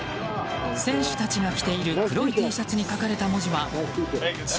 選手たちが着ている黒いＴシャツに書かれた文字は「ＴＥＡＭＪＡＰＡＮ」？